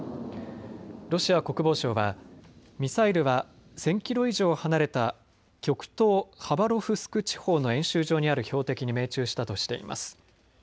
ロシア国防省はミサイルは１０００キロ以上離れた極東ハバロフスク地方の演習場にある標的に命中したとしています。